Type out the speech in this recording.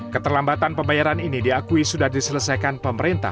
keterlambatan pembayaran ini diakui sudah diselesaikan pemerintah